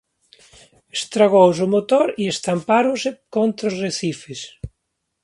Estragouse o motor e estampáronse contra os arrecifes.